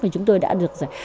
mà chúng tôi đã được rồi